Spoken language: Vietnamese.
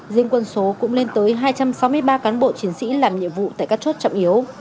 riêng quân số cũng lên tới hai trăm sáu mươi ba cán bộ chiến sĩ làm nhiệm vụ tại các chốt trọng yếu